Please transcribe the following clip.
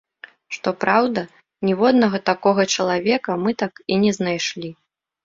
Што праўда, ніводнага такога чалавека, мы так і не знайшлі.